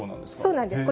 そうなんです。